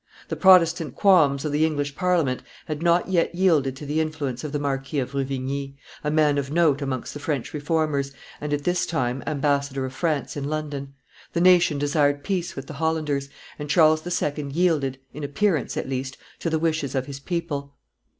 The Protestant qualms of the English Parliament had not yielded to the influence of the Marquis of Ruvigny, a man of note amongst the French Reformers, and at this time ambassador of France in London; the nation desired peace with the Hollanders; and Charles II. yielded, in appearance at least, to the wishes of his people.